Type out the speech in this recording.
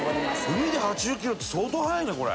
海で８０キロって相当速いねこれ。